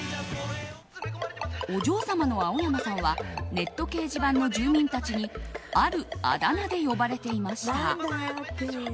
お嬢様の青山さんはネット掲示板の住民たちにあるあだ名で呼ばれていました。